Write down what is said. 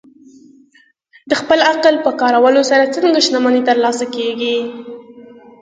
د خپل عقل په کارولو سره څنګه شتمني ترلاسه کېدای شي؟